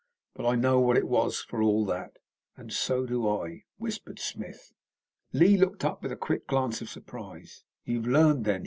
But I know what it was, for all that." "And so do I," whispered Smith. Lee looked up with a quick glance of surprise. "You've learned, then!"